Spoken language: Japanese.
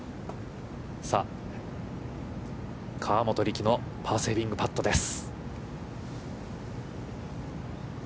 さあ、河本力のパーセービングパットです。